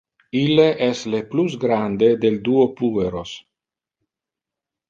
Ille es le plus grande del duo pueros.